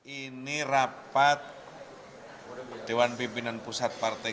ini rapat dewan pimpinan pusat partai